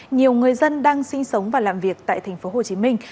nhiều người dân đang sinh sống và làm việc tại thành phố hồ chí minh